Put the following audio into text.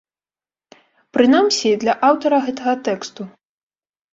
Прынамсі, для аўтара гэтага тэксту.